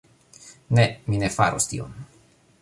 Ne, mi ne faros tion.